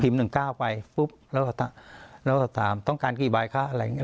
พิมพ์หนึ่งเก้าไปปุ๊บแล้วก็ตามแล้วก็ตามต้องการกี่ใบค่ะอะไรอย่างงี้